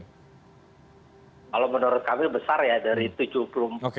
kalau menurut kami besar ya